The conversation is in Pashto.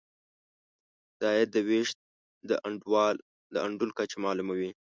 د عاید د وېش د انډول کچه معلوموي.